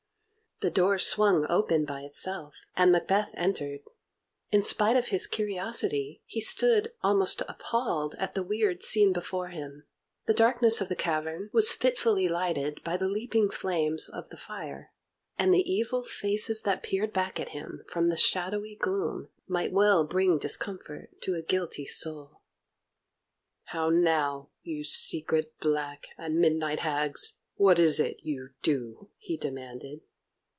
The door swung open by itself, and Macbeth entered. In spite of his curiosity, he stood almost appalled at the weird scene before him. The darkness of the cavern was fitfully lighted by the leaping flames of the fire, and the evil faces that peered back at him from the shadowy gloom might well bring discomfort to a guilty soul. "How now, you secret, black, and midnight hags? What is it you do?" he demanded.